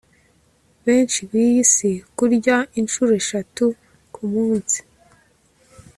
benshi biyi si kurya inshuro eshatu ku munsi